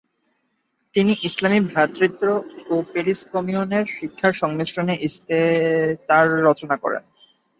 তিনি ইসলামী ভ্রাতৃত্ব ও প্যারিস কমিউনের শিক্ষার সংমিশ্রণে ইস্তেতার রচনা করেন।